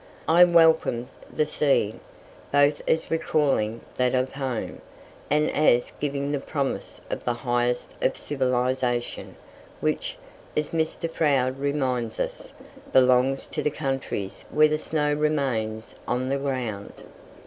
I welcomed the scene, both as recalling that of Home, and as giving the promise of the highest of civilization, which, as Mr. Froude reminds us, belongs to the countries where the snow remains on the ground.